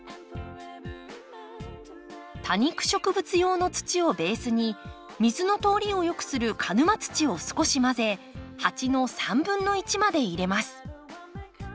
多肉植物用の土をベースに水の通りを良くする鹿沼土を少し混ぜ鉢の1/3まで入れます。